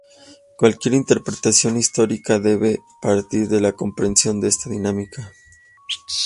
Cualquier interpretación histórica debe partir de la comprensión de esta dinámica.